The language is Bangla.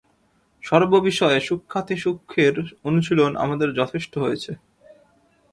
সর্ববিষয়ে সূক্ষ্মাতিসূক্ষ্মের অনুশীলন আমাদের যথেষ্ট হয়েছে।